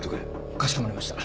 かしこまりました。